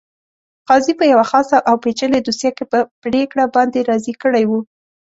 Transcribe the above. قاضي په یوه خاصه او پېچلې دوسیه کې په پرېکړه باندې راضي کړی وو.